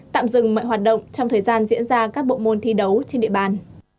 tạm dừng mọi hoạt động trong thời gian diễn ra các bộ môn thi đấu trên địa bàn